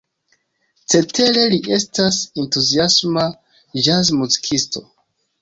Cetere li estas entuziasma ĵaz-muzikisto.